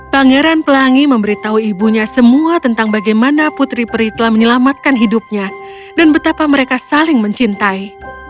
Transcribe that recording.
pangeran pelangi memberitahu ibunya semua tentang bagaimana putri peri telah menyelamatkan hidupnya dan betapa mereka saling mencintai